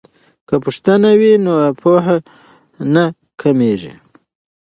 که پوښتنه وي نو پوهه نه کمیږي.